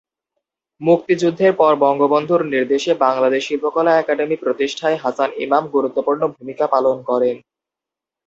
মুক্তিযুদ্ধের পর বঙ্গবন্ধুর নির্দেশে বাংলাদেশ শিল্পকলা একাডেমি প্রতিষ্ঠায় হাসান ইমাম গুরুত্বপূর্ণ ভূমিকা পালন করেন।